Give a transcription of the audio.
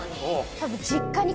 多分。